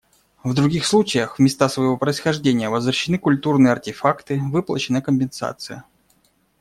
В других случаях в места своего происхождения возвращены культурные артефакты, выплачена компенсация.